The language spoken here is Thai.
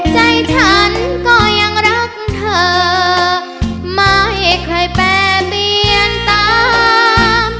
ใจฉันก็ยังรักเธอไม่เคยแปรเบียนตาม